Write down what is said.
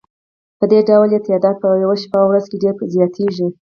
پدې ډول یې تعداد په یوه شپه او ورځ کې ډېر زیاتیږي.